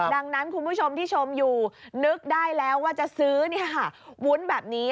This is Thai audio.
ดังนั้นคุณผู้ชมที่ชมอยู่นึกได้แล้วว่าจะซื้อวุ้นแบบนี้